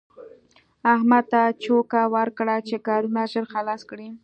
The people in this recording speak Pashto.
احمد ته چوکه ورکړه چې کارونه ژر خلاص کړي.